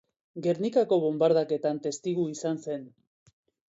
Gernikako bonbardaketan testigu izan zen.